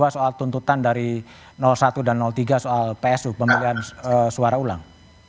soal tuntutan dari satu dan tiga soal psu pemilihan suara ulang